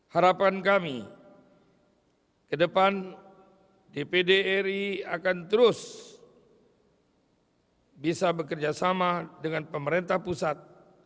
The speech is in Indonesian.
harapan kami ke depan dpd ri akan terus bisa bekerja sama dengan pemerintah pusat